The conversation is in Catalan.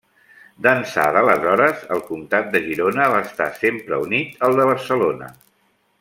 D'ençà d'aleshores, el comtat de Girona va estar sempre unit al de Barcelona.